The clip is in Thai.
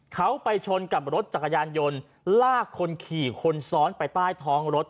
เขาไปชนกับรถจักรยานยนต์ลากคนขี่คนซ้อนไปใต้ท้องรถ